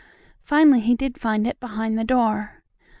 Finally he did find it behind the door.